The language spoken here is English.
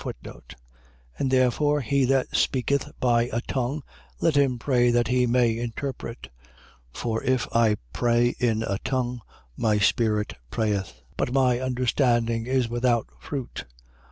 And therefore he that speaketh by a tongue, let him pray that he may interpret. 14:14. For if I pray in a tongue, my spirit prayeth: but my understanding is without fruit.